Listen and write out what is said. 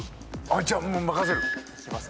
じゃあもう任せる。